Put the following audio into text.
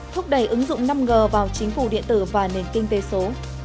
thúc đẩy ứng dụng năm g vào chính phủ điện tử và nền kinh tế số